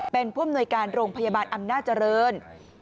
เป็นผู้อำนวยการโรงพยาบาลอำนาจเจริญ